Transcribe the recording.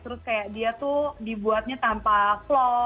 terus kayak dia tuh dibuatnya tanpa flow